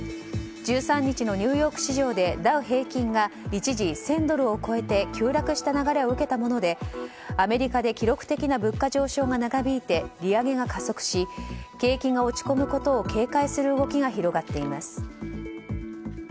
１３日のニューヨーク市場でダウ平均が一時、１０００ドルを超えて急落した流れを受けたものでアメリカで記録的な物価上昇が長引いて利上げが加速し、景気が落ち込むことを警戒する動きが広がっています。